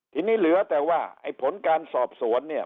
ทีนี้เหลือแต่ว่าไอ้ผลการสอบสวนเนี่ย